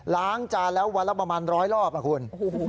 ล้างจานแล้ววันละประมาณร้อยรอบนะคุณ